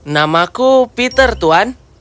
namaku peter tuan